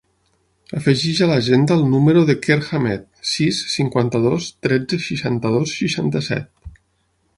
Afegeix a l'agenda el número del Quer Hamed: sis, cinquanta-dos, tretze, seixanta-dos, seixanta-set.